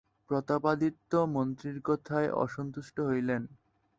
প্রতাপাদিত্য মন্ত্রীর কথায় অসন্তুষ্ট হইলেন।